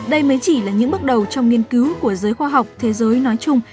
đây mới chỉ là những bước đầu trong nghiên cứu của giới khoa học thế giới nói chung